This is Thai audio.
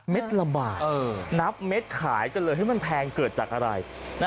ละบาทนับเม็ดขายกันเลยมันแพงเกิดจากอะไร